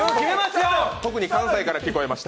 特に関西から聞こえました。